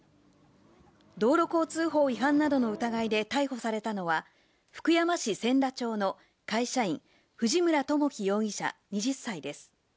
道路交通法違反などの疑いで逮捕されたのは、福山市千田町の会社員、藤村知樹容疑者２０歳です。